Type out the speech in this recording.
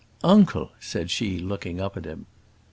"Uncle!" said she, looking up at him.